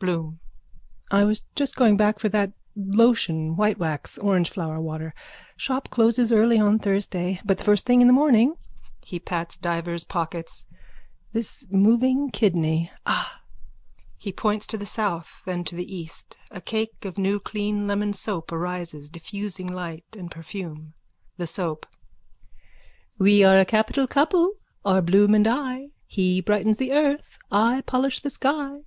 BLOOM: I was just going back for that lotion whitewax, orangeflower water. Shop closes early on Thursday. But the first thing in the morning. (He pats divers pockets.) This moving kidney. Ah! (He points to the south, then to the east. A cake of new clean lemon soap arises, diffusing light and perfume.) THE SOAP: We're a capital couple are Bloom and I. He brightens the earth. I polish the sky.